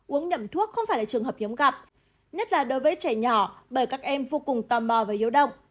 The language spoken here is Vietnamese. uống nhầm thuốc không phải là trường hợp hiếm gặp nhất là đối với trẻ nhỏ bởi các em vô cùng tò mò và hiếu động